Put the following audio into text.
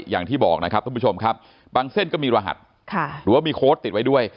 อย่างที่บอกนะครับท่านผู้ชมครับบางเส้นก็มีรหัสหรือว่ามีโค้ดติดไว้ด้วย